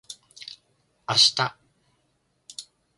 明日